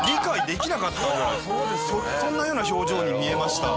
そんなような表情に見えました。